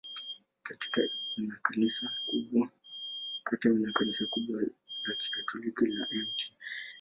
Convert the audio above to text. Kata ina kanisa kubwa la Katoliki la Mt.